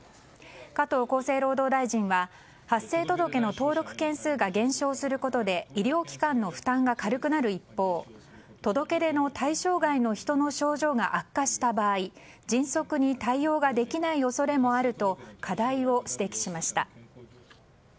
加藤厚生労働大臣は発生届の登録件数が減少することで医療機関の負担が軽くなる一方届け出の対象外の人の症状が悪化した場合迅速に対応ができない恐れもあると課題を指摘しました。